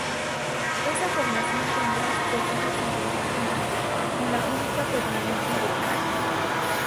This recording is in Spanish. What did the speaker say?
Esa formación tendrá sucesivas integraciones, con la única permanencia de Kali.